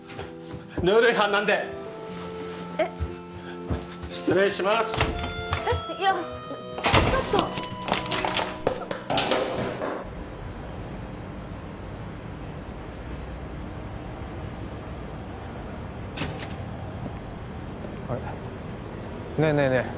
ルール違反なんでえっ失礼しますえっいやちょっとあれっねえねえねえ